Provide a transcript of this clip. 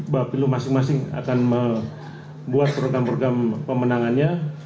bapilu masing masing akan membuat program program pemenangannya